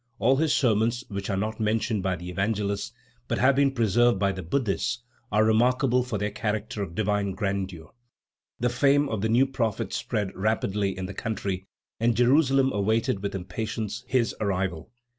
All his sermons which are not mentioned by the Evangelists, but have been preserved by the Buddhists, are remarkable for their character of divine grandeur. The fame of the new prophet spread rapidly in the country, and Jerusalem awaited with impatience his arrival.